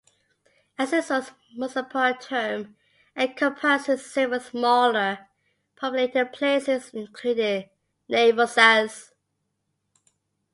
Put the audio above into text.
Enciso's municipal term encompasses several smaller populated places, including Navalsaz.